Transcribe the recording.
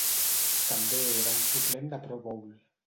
També era un suplent de Pro Bowl.